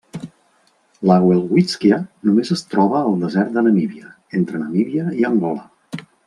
La welwítsquia només es troba al desert de Namíbia, entre Namíbia i Angola.